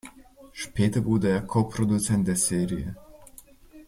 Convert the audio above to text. Später wurde er Koproduzent der Serie.